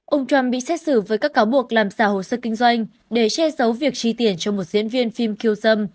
ông trump bị xét xử với các cáo buộc làm xà hồ sơ kinh doanh để che giấu việc tri tiền cho một diễn viên phim kiêu dâm